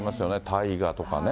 大河とかね。